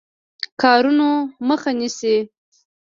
کارونو مخه نیسي.